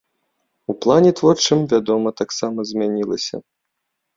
У плане творчым, вядома, таксама змянілася.